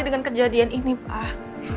dengan kejadian ini pak